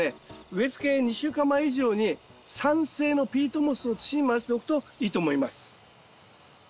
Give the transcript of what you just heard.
植えつけ２週間前以上に酸性のピートモスを土に混ぜておくといいと思います。